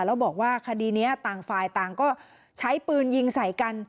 แล้วบอกว่าคดีนี้ต่างฝ่ายต่างก็ใช้ปืนยิงใส่กัน